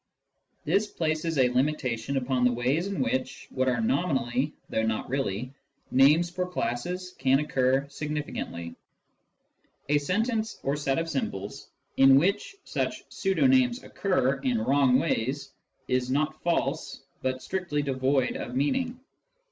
This places a limitation upon the ways in which what are nominally, though not really, names for classes can occur significantly : a sentence or set of symbols in which such pseudo names occur in wrong ways is not false, but strictly devoid of meaning.